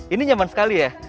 ini nyaman sekali ya